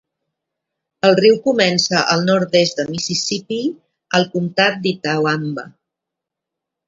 El riu comença al nord-est de Mississipí, al comtat d'Itawamba.